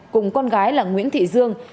cùng con gái là nguyễn thị dương